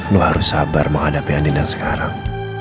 lu harus sabar menghadapi andin yang sekarang